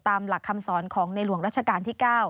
ตามหลักคำสอนของในหลวงรัชกาลที่๙